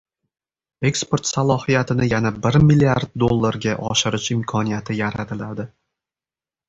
eksport salohiyatini yana bir milliard dollarga oshirish imkoniyati yaratiladi.